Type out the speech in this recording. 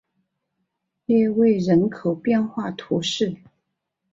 勒韦人口变化图示